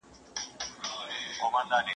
¬ چي وخت د ښکار سي، تازي اسهال سي.